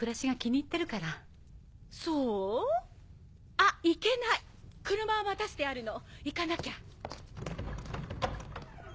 あっいけない車を待たせてあるの行かなきゃ。